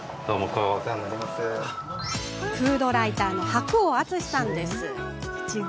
フードライターの白央篤司さんです。